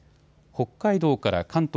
北海道から関東